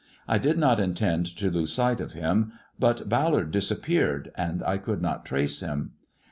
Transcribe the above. I did not intend to lose sight of him, but Ballard disappeared, and I could not trace him.